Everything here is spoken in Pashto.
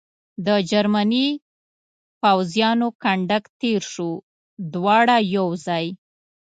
د جرمني پوځیانو کنډک تېر شو، دواړه یو ځای.